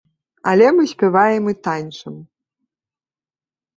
Але мы спяваем і танчым!